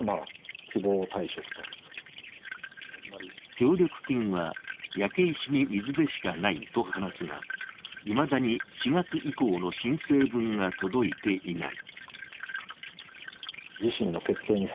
協力金は、焼け石に水でしかないと話すがいまだに４月以降の申請分が届いていない。